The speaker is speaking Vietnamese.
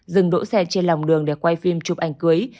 dừng đỗ xe trên lòng đường để quay phim chụp ảnh cưới